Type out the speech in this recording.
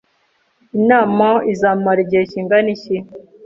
Inama izamara igihe kingana iki?